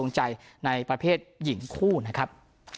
ในประเภทหญิงคู่นะครับ